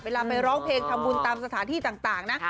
ไปร้องเพลงทำบุญตามสถานที่ต่างนะ